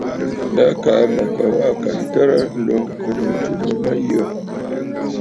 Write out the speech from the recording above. Lâ kaa mə̀ ka waꞌà kà ǹtərə nloŋ ɨnnù jû mə mə̀ yə aà.